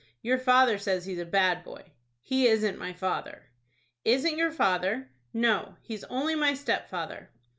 "Your father says he's a bad boy." "He isn't my father." "Isn't your father?" "No, he's only my stepfather."